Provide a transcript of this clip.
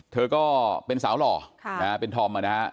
เธอก็เป็นสาวหล่อเป็นธอมนะฮะ